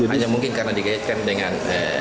hanya mungkin karena dikaitkan dengan